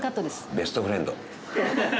ベストフレンド。